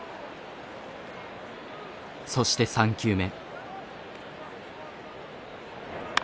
そして３球目。